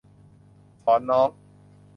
สอนน้อง